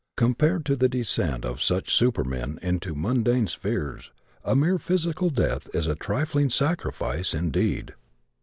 Compared to the descent of such supermen into mundane spheres a mere physical death is a trifling sacrifice indeed.